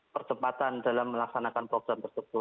percepatan dalam melaksanakan program